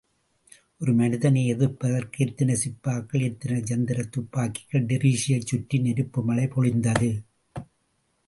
ஒரு மனிதனை எதிர்ப்பதற்கு எத்தனை சிப்பாய்கள் எத்தனை இயந்திரத்துப்பாக்கிகள் டிரீஸியைச் சுற்றி நெருப்பு மழை பொழிந்தது.